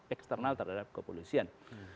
eksternal terhadap kepolisian